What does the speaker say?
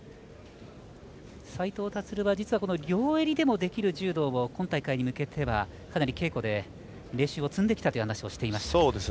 斉藤立は実は両襟でもできる柔道を今大会に向けては、かなり稽古で練習を積んできたと話をしていました。